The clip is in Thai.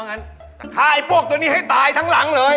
งั้นฆ่าไอ้พวกตัวนี้ให้ตายทั้งหลังเลย